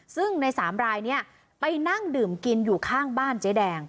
ซึ่งใน๓รายนี้ไปนั่งดื่มกินอยู่ข้างบ้านเจ๊แดง